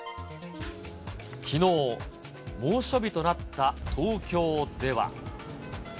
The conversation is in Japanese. きのう、猛暑日となった東京では。